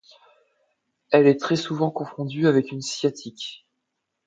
Elle est très souvent confondue avec une sciatique.